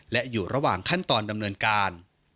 และอยู่ระหว่างขั้นตอนดำเนินการ